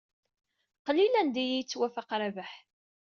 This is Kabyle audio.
Qlil anda i iyi-yettwafaq Rabaḥ.